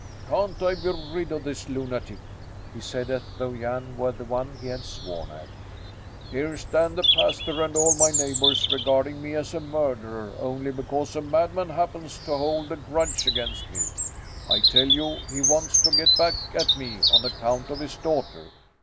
"Can't I be rid of this lunatic?" he said, as though Jan were the one he had sworn at. "Here stand the pastor and all my neighbours regarding me as a murderer only because a madman happens to hold a grudge against me! I tell you he wants to get back at me on account of his daughter.